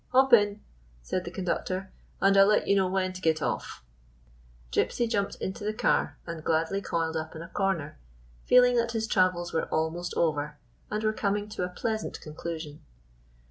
" Hop in," said the conductor, "and I 'll let you know when to get off." Gypsy jumped into the car, and gladly coiled up in a corner, feeling that his travels were almost over and were coming to a pleasant con clusion.